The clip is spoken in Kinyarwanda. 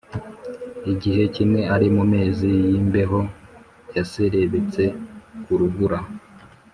igihe kimwe ari mu mezi y imbeho yaserebetse ku rubura